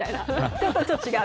ちょっと違う。